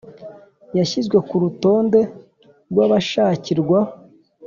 Yashyizwe ku rutonde rw abashakirwa